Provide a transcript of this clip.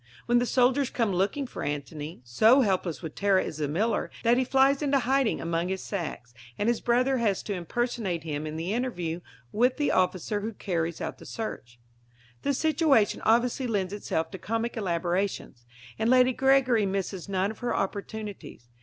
When the soldiers come looking for Antony, so helpless with terror is the miller, that he flies into hiding among his sacks, and his brother has to impersonate him in the interview with the officer who carries out the search. The situation obviously lends itself to comic elaborations, and Lady Gregory misses none of her opportunities.